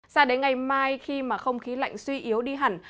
sao đến ngày mai khi mà không khí lạnh suy yếu đi hẳn